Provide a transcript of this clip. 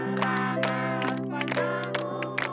selamat ulang tahun